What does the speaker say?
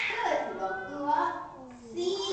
She was on the staff of the Oxford University Press.